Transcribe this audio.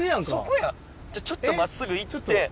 じゃあちょっと真っすぐ行って。